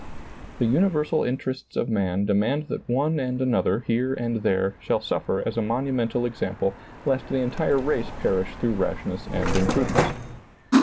The universal interests of man demand that one and another here and there shall suffer as a monu mental example lest the entire race perish through rashness and imprudence.